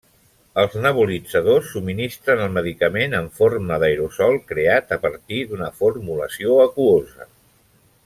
Els nebulitzadors subministren el medicament en forma d'aerosol creat a partir d'una formulació aquosa.